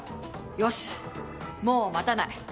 よし、もう待たない。